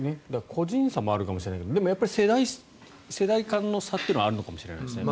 個人差もあるかもしれないけどでも、世代間の差というのはあるのかもしれないですね。